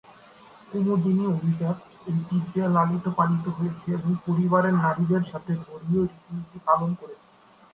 কুমুদিনী অভিজাত ঐতিহ্যে লালিত পালিত হয়েছে এবং পরিবারের নারীদের সাথে ধর্মীয় রীতিনীতি পালন করেছে।